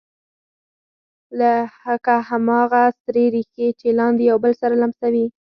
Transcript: لکه هماغه سرې ریښې چې لاندې یو بل سره لمسوي